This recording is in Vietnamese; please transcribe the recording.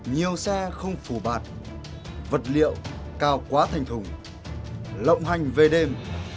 nhiều xe không phủ bạt vật liệu cao quá thành thùng lộng hành về đêm